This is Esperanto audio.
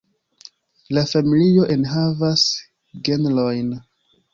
La familio enhavas genrojn.